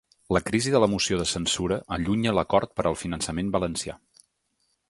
La crisi de la moció de censura allunya l’acord per al finançament valencià.